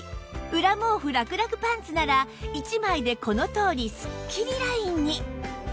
裏毛布らくらくパンツなら１枚でこのとおりスッキリラインに